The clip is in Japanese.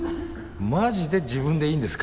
マジで自分でいいんですか？